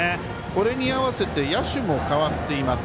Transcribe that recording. これに合わせて野手も代わっています